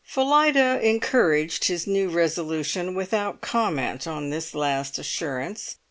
Phillida encouraged his new resolution without comment on this last assurance.